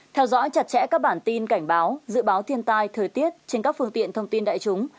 theo dõi chặt chẽ các bản tin cảnh báo dự báo thiên tai thời tiết trên các phương tiện thông tin đại chúng